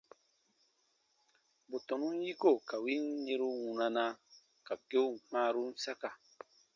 Bù tɔnun yiko ka win yɛ̃ru wunana, ka keun kpãarun saka.